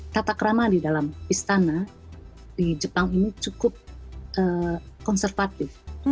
pertama di dalam istana di jepang ini cukup konservatif